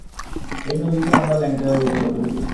এই নদীতে আমরা ল্যাংটা হয়ে গোসল করেছি, বুঝেছিস?